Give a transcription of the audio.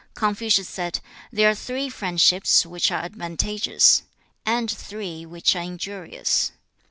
Confucius said, 'There are three friendships which are advantageous, and three which are injurious.